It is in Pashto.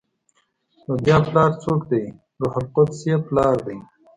نو بیا پلار څوک دی؟ روح القدس یې پلار دی؟